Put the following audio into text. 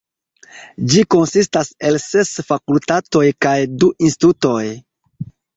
Ĝi konsistas el ses fakultatoj kaj du institutoj.